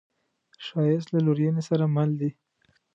ښایست له لورینې سره مل دی